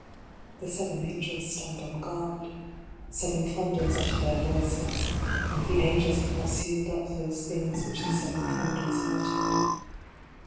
The Seven Angels stand on guard. Seven thunders utter their voices. And the angels have not sealed up those things whicl" the seven thunders have uttered.